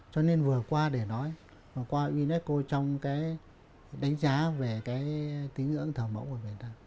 cho nên vừa qua để nói và qua unesco trong cái đánh giá về cái tín dưỡng thờ mẫu của người ta